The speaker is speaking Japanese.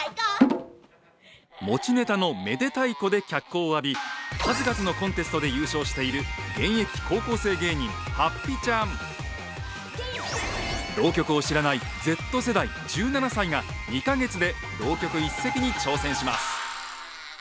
持ちネタのめでたいこで脚光を浴び数々のコンテストで優勝している浪曲を知らないＺ世代１７歳が２か月で浪曲１席に挑戦します。